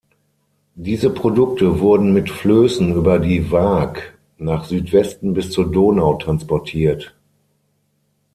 Diese Produkte wurden mit Flößen über die Waag nach Südwesten bis zur Donau transportiert.